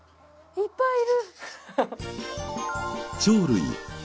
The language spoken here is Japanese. いっぱいいる！